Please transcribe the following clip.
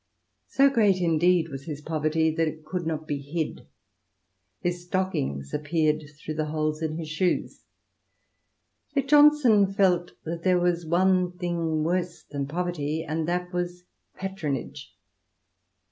So great, indeed, was his poverty, that it could not be hid \ his stockings appeared through the holes in his shoes. Yet Johnson felt that there was one thing worse than poverty, and that was patronage.